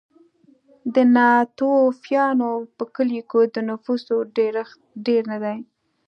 د ناتوفیانو په کلیو کې د نفوسو ډېرښت ډېر نه دی.